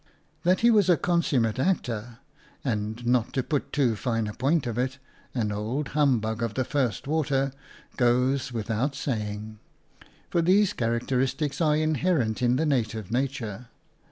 That he was a consummate actor, and, not to put too fine a point on it, an old humbug of the first water, goes without saying, for 6 OUTA KARELS STORIES these characteristics are inherent in the native nature.